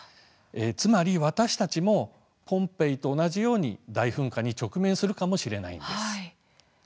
つまり私たちもポンペイと同じように大噴火に直面するかもしれないんです。